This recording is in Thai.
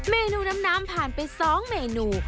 เมนูน้ำผ่านไป๒เมนู